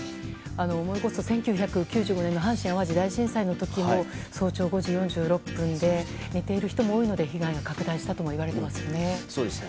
思い起こすと、１９９５年の阪神・淡路大震災の時も早朝５時４６分で寝ている人も多いので被害が拡大したともいわれていますね。